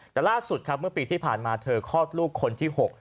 แต่ล่าสุดครับเมื่อปีที่ผ่านมาเธอคลอดลูกคนที่๖